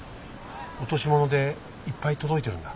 落とし物でいっぱい届いてるんだ。